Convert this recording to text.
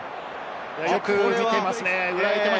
よく見ていましたね。